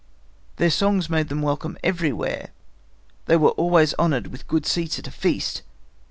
Their songs made them welcome everywhere. They were always honored with good seats at a feast.